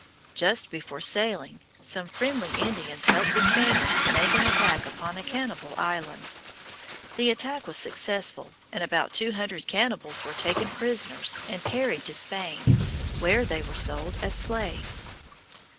Just before sailing, some friendly Indians helped the Spaniards to make an attack upon a cannibal island. The attack was successful, and about two hundred cannibals were taken prisoners and carried to Spain, where they were sold as slaves.